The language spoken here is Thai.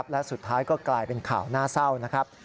และสุดท้ายก็กลายเป็นข่าวน่าเศร้านะครับ